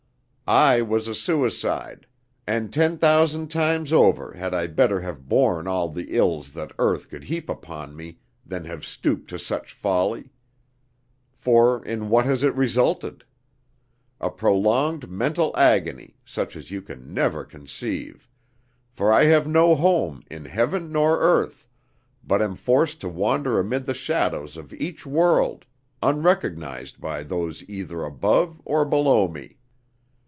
I was a suicide; and ten thousand times over had I better have borne all the ills that earth could heap upon me, than have stooped to such folly. For in what has it resulted? A prolonged mental agony, such as you can never conceive; for I have no home in heaven nor earth, but am forced to wander amid the shadows of each world, unrecognized by those either above or below me.